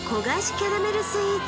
キャラメルスイーツ